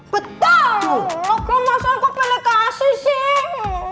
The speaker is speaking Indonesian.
betul masa kok pilih kasih sih